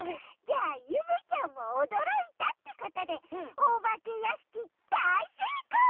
じゃあゆめちゃんもおどろいたってことでおばけやしきだいせいこう！